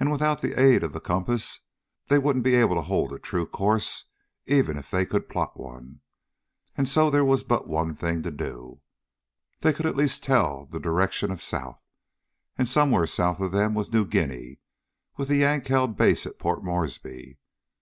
And without the aid of the compass they wouldn't be able to hold to a true course, even if they could plot one. And so there was but one thing to do. They at least could tell the direction of south. And somewhere south of them was New Guinea with the Yank held base at Port Morseby.